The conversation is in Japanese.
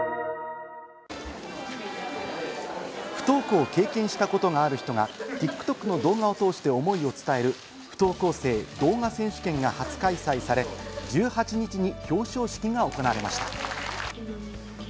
不登校を経験したことがある人がＴｉｋＴｏｋの動画を通して思いを伝える「不登校生動画選手権」が初開催され、１８日に表彰式が行われました。